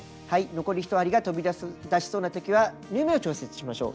残り１針が飛び出しそうなときは縫い目を調節しましょう。